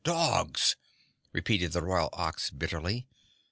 DOGS!" repeated the Royal Ox bitterly.